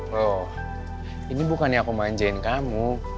loh ini bukannya aku manjain kamu